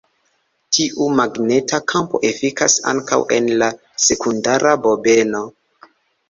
Tiu magneta kampo efikas ankaŭ en la sekundara bobeno.